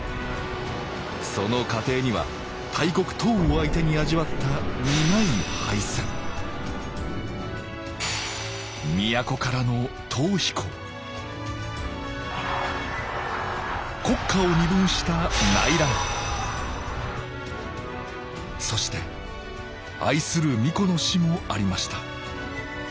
その過程には大国唐を相手に味わった苦い敗戦都からの逃避行国家を二分した内乱そして愛する皇子の死もありました